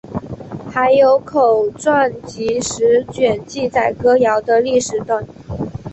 还有口传集十卷记载歌谣的历史等。